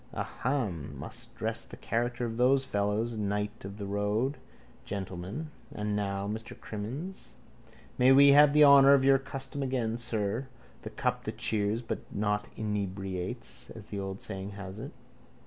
Aham! Must dress the character for those fellows. Knight of the road. Gentleman. And now, Mr Crimmins, may we have the honour of your custom again, sir. The cup that cheers but not inebriates, as the old saying has it.